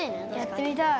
やってみたい。